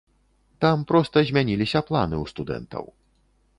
Там проста змяніліся планы ў студэнтаў.